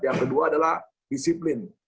yang kedua adalah disiplin